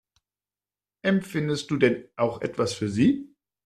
Empfindest du denn auch etwas für sie?